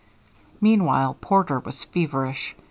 Meanwhile Porter was feverish.